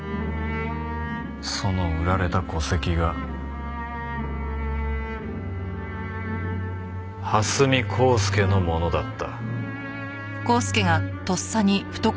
その売られた戸籍が蓮見光輔のものだった。